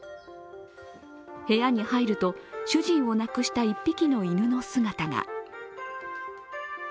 部屋に入ると、主人を亡くした１匹の犬の姿が。